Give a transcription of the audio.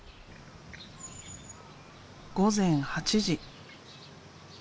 午前８時。